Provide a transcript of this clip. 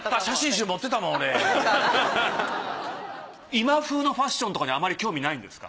今風のファッションとかにあまり興味ないんですか？